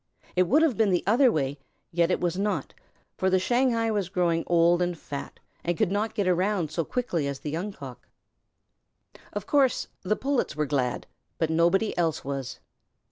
It should have been the other way, yet it was not, for the Shanghai was growing old and fat, and could not get around so quickly as the Young Cock. Of course the Pullets were glad, but nobody else was.